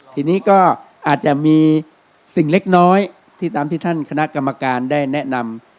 ทีนี้ก็อาจจะมีสิ่งเล็กน้อยที่ตามที่ท่านคณะกรรมการได้แนะนำ